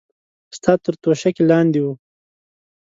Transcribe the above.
ستا تر توشکې لاندې وه.